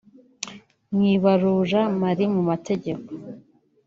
mu ibarura mari mu mategeko